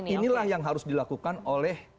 inilah yang harus dilakukan oleh